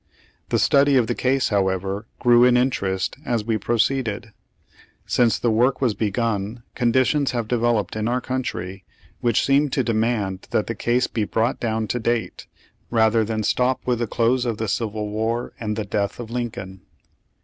The study of the case, however, grew in interest as we pro ceeded. Since the work was begun conditions have developed in our country which seem to demand that the case be brought down to date, rather than Page Seven Page Eight stop with the close of the civil war and the death of Lincoln.